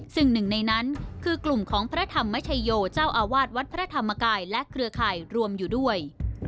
ซึ่งหนึ่งในนั้นคือกลุ่มของพระธรรมชโยเจ้าอาวาสวัดพระธรรมกายและเครือข่ายรวมอยู่ด้วย